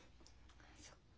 そっか。